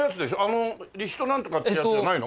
あのリヒトなんとかっていうやつじゃないの？